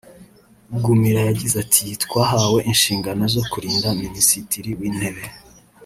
Gumira yagize ati “Twahawe inshingano zo kurinda Minisitiri w’Intebe